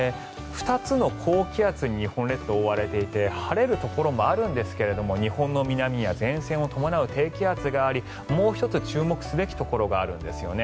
２つの高気圧に日本列島は覆われていて晴れるところもあるんですが日本の南には前線を伴う低気圧があり、もう１つ注目すべきところがあるんです。